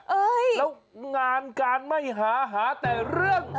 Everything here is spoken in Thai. แล้วงานการไม่หาหาแต่เรื่อง